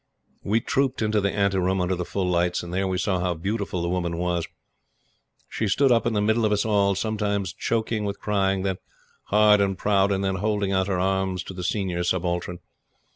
We trooped into the ante room, under the full lights, and there we saw how beautiful the woman was. She stood up in the middle of us all, sometimes choking with crying, then hard and proud, and then holding out her arms to the Senior Subaltern.